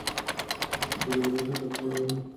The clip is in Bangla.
বাকি যে পুলিশরা তোমার মতো প্রিয়জন হারিয়েছে তাদের কী হবে?